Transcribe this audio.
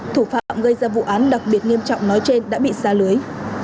thủ phạm gây ra vụ án đặc biệt nghiêm trọng nói trên đã bị xa lưới